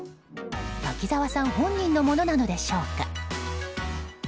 滝沢さん本人のものなのでしょうか。